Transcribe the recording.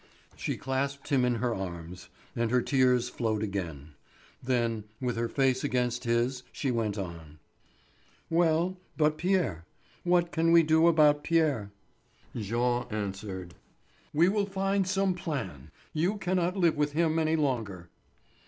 She clasped him in her arms, and her tears flowed again; then, with her face against his, she went on: "Well, but Pierre. What can we do about Pierre?" Jean answered: "We will find some plan! You cannot live with him any longer."